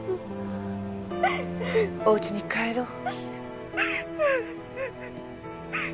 おうちに帰ろう。